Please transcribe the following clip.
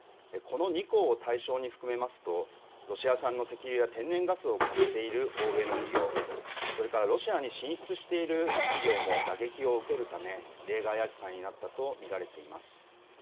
この２行を対象に含めますとロシア産の石油や天然ガスを買っている欧米の企業、それからロシアに進出している企業も打撃を受けるため例外扱いになったと見られています。